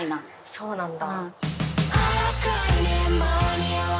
そうなんだ。